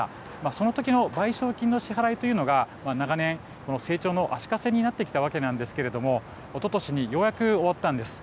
その時の賠償金の支払いというのが、長年成長の足かせになってきたわけなんですけれどもおととしにようやく終わったんです。